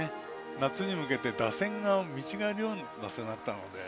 夏に向けて打線が見違えるような打線になったので。